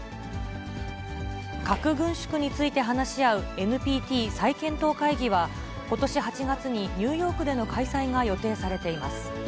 核軍縮について話し合うＮＰＴ再検討会議は、ことし８月にニューヨークでの開催が予定されています。